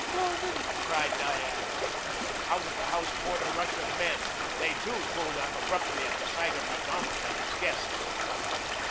"Gordon!" cried Diane. Out of the house poured a rush of men. They too pulled up abruptly at sight of Macdonald and his guests.